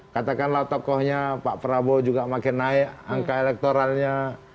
katakanlah tokohnya pak prabowo juga makin naik angka elektoralnya